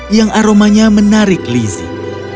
yang aromanya menarik lizzie